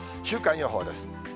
週間予報です。